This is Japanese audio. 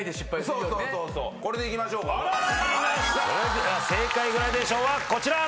それでは正解グラデーションはこちら！